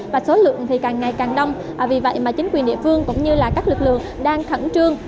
hàng ngày càng đông vì vậy mà chính quyền địa phương cũng như là các lực lượng đang khẩn trương